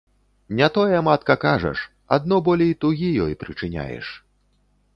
Не тое, матка, кажаш, адно болей тугі ёй прычыняеш.